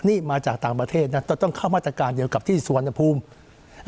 นี่มาจากต่างประเทศนะจะต้องเข้ามาตรการเดียวกับที่สุวรรณภูมิ